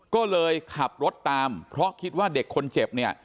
ก็เลยขับรถตามเพราะคิดว่าเด็กคนเจ็บเนี่ย